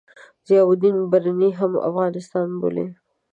ضیاألدین برني هم افغانستان بولي.